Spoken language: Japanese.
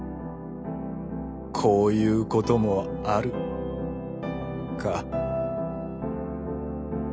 こういうこともあるか。